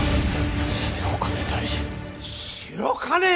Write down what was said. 白金大臣白金！